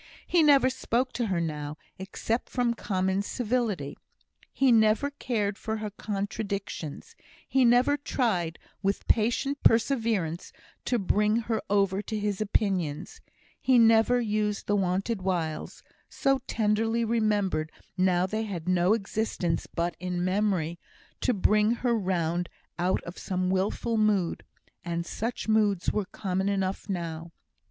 He never spoke to her now, except from common civility. He never cared for her contradictions; he never tried, with patient perseverance, to bring her over to his opinions; he never used the wonted wiles (so tenderly remembered now they had no existence but in memory) to bring her round out of some wilful mood and such moods were common enough now!